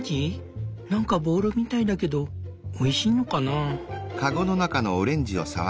何かボールみたいだけどおいしいのかな？